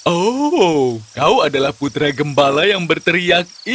oh kau adalah putra gembala yang berteriak